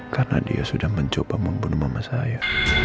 karena dia sudah mencoba membunuh mama saya